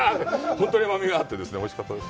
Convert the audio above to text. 本当にうまみがあってですね、おいしかったです。